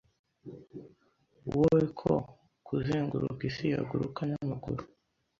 Wowe Ko kuzenguruka isi yaguruka namaguru